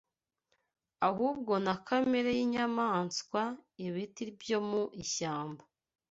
ahubwo na kamere y’inyamaswa, ibiti byo mu ishyamba